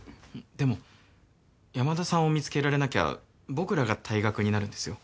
でも山田さんを見つけられなきゃ僕らが退学になるんですよ。